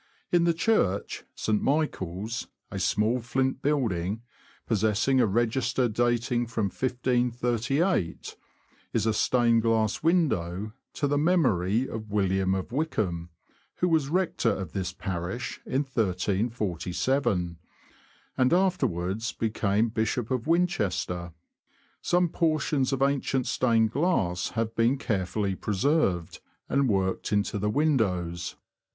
In the church (St. Michael's) — a small, flint building, possessing a register dating from 1538 — is a stained glass window to the memory of WilHam of Wykeham, who was rector of this parish in 1347, and afterwards became Bishop of Winchester. Some portions of ancient stained glass have been care fully preserved, and worked into the windows.